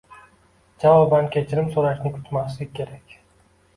Javoban kechirim so‘rashni kutmaslik kerak.